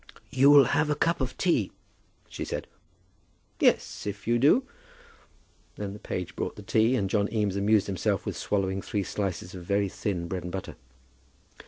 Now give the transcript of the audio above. "You'll have a cup of tea?" she said. "Yes; if you do." Then the page brought the tea, and John Eames amused himself with swallowing three slices of very thin bread and butter.